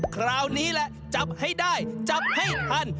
คราวนี้แหละจับให้ได้จับให้ทัน